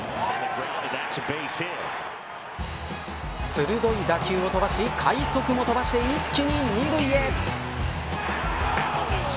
鋭い打球を飛ばし快足も飛ばして一気に二塁へ。